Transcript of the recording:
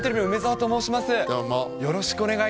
どうも。